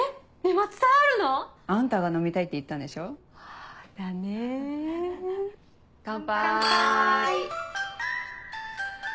松祭あるの？あんたが飲みたいって言ったんでしょ。だね。乾杯！